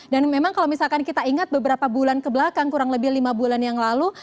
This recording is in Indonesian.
dan memang kalau misalkan kita ingat beberapa bulan kebelakang kurang lebih lima bulan yang lalu